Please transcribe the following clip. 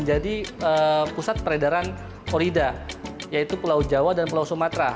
menjadi pusat peredaran orida yaitu pulau jawa dan pulau sumatera